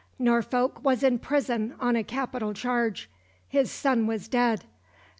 Norfolk was in prison on a capital charge; his son was dead.